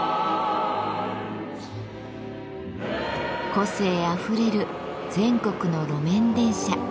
個性あふれる全国の路面電車。